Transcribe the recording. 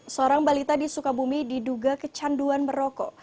seorang balita di sukabumi diduga kecanduan merokok